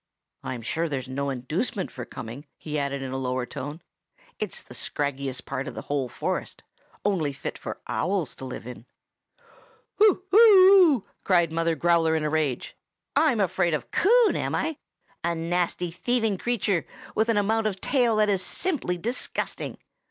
"I'm sure, there's no inducement for coming," he added in a lower tone. "It's the scraggiest part of the whole forest,—only fit for owls to live in!" "Hoo! hoo!" cried Mother Growler in a rage. "I'm afraid of Coon, am I? A nasty, thieving creature, with an amount of tail that is simply disgusting!